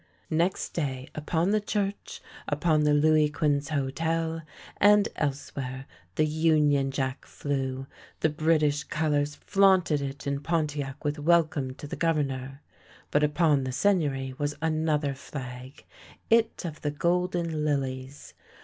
Next day upon the church, upon the Louis Quinze Hotel, and elsewhere the Union Jack flew, the British colours flaunted it in Pontiac with welcome to the Governor. But upon the Seigneury was another flag — it of the golden lilies.